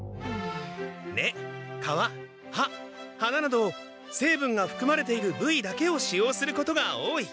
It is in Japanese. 根皮葉花などせいぶんがふくまれているぶいだけを使用することが多い。